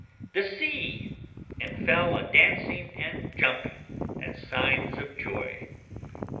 the sea!" and fell a dancing and jumping, as signs of joy.